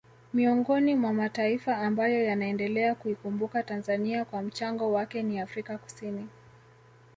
Miongoni mwa mataifa ambayo yanaendelea kuikumbuka Tanzania kwa mchango wake ni Afrika Kusini